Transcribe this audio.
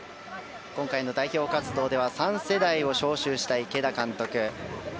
今回の代表活動では３世代を招集した池田監督。